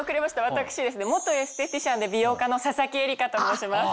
私ですね元エステティシャンで美容家の佐々木江里香と申します。